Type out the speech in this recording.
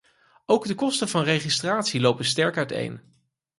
Ook de kosten van registratie lopen sterk uiteen.